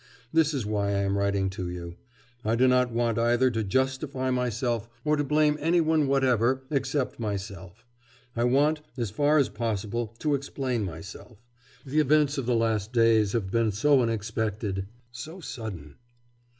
This is why I am writing to you. I do not want either to justify myself or to blame any one whatever except myself; I want, as far as possible, to explain myself.... The events of the last days have been so unexpected, so sudden....